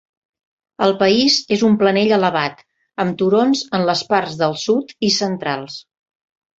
El país és un planell elevat, amb turons en les parts del sud i centrals.